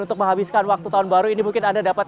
untuk menghabiskan waktu tahun baru ini mungkin anda dapat